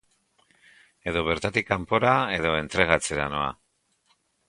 Edo bertatik kanpora, edo entregatzera noa.